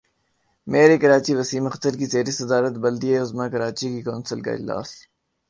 mayor Karachi Wasim Akhtar کی زیر صدارت بلدیہ عظمی کراچی کی کونسل کا اجلاس